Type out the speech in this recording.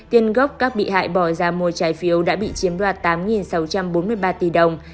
tiền gốc các bị hại bỏ ra mua trái phiếu đã bị chiếm đoạt tám sáu trăm bốn mươi ba tỷ đồng